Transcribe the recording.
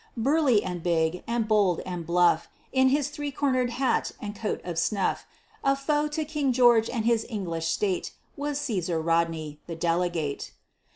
Burly and big, and bold and bluff, In his three cornered hat and coat of snuff, A foe to King George and the English State, Was Cæsar Rodney, the delegate.